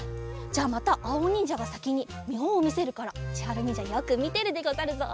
じゃあまたあおにんじゃがさきにみほんをみせるからちはるにんじゃよくみてるでござるぞ。